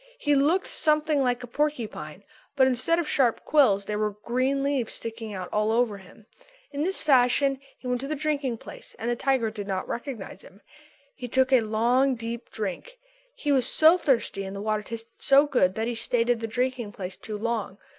He looked something like a porcupine; but instead of sharp quills there were green leaves sticking out all over him. In this fashion he went to the drinking place and the tiger did not recognise him. He took a long, deep drink. He was so thirsty and the water tasted so good that he stayed in the drinking place too long.